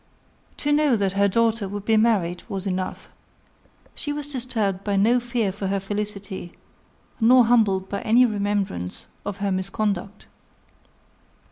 To know that her daughter would be married was enough. She was disturbed by no fear for her felicity, nor humbled by any remembrance of her misconduct.